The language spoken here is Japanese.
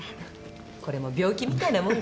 これも病気みたいなもんですけど。